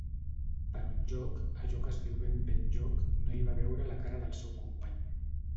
però enlloc, allò que es diu ben bé enlloc, no hi va veure la cara del seu company.